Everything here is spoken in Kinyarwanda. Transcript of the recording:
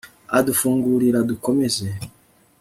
adufungurir'adukomeze